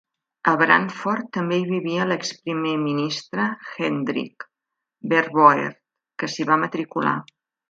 A Brandfort també hi vivia l'exprimer ministre Hendrik Verwoerd, que s'hi va matricular.